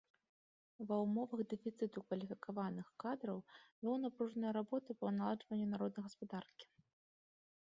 Ва ўмовах дэфіцыту кваліфікаваных кадраў вёў напружаную работу па наладжванню народнай гаспадаркі.